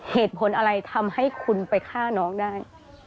เหตุผลอะไรทำให้คุณไปฆ่าน้องได้